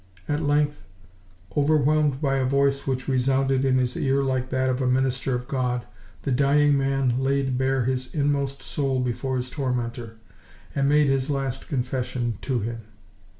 At length, overwhelmed by a voice which resounded in his ear like that of a minister of God, the dying man laid bare his inmost soul before his tormentor, and made his last confession to him.